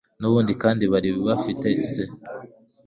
N'ubundi kandi, bari bafite se.